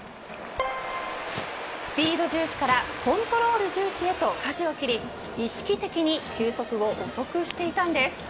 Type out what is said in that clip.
スピード重視からコントロール重視へとかじを切り意識的に球速を遅くしていたんです。